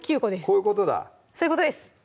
こういうことだそういうことです